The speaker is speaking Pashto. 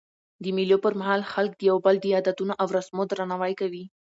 د مېلو پر مهال خلک د یو بل د عادتو او رسمو درناوی کوي.